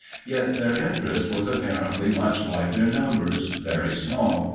Yet their interest was apparently much like their numbers very small.